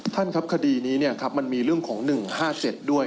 ท่านครับคดีนี้มันมีเรื่องของ๑๕๗ด้วย